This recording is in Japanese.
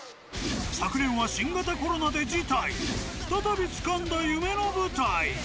昨年は新型コロナで辞退再びつかんだ夢の舞台！